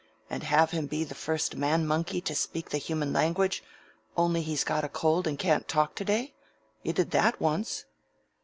"And have him be the first man monkey to speak the human language, only he's got a cold and can't talk to day? You did that once."